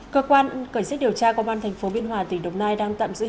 cơ quan cởi sách điều tra công an tp biên hòa tỉnh đồng nai đang tạm giữ hình